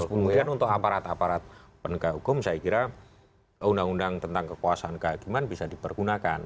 kemudian untuk aparat aparat penegak hukum saya kira undang undang tentang kekuasaan kehakiman bisa dipergunakan